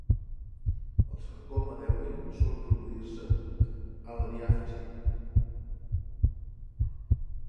El sarcoma d'Ewing sol produir-se a la diàfisi.